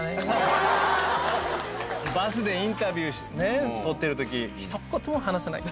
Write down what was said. バスでインタビュー撮ってるとき。